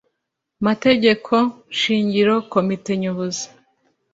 mategeko shingiro komite nyobozi